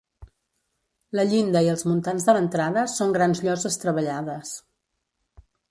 La llinda i els muntants de l'entrada són grans lloses treballades.